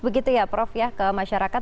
begitu ya prof ya ke masyarakat